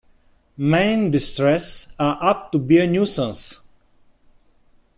Men in distress are apt to be a nuisance.